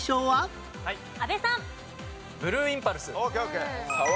はい。